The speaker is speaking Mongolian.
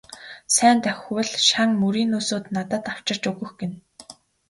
Сайн давхивал шан мөрийнөөсөө надад авчирч өгөх гэнэ.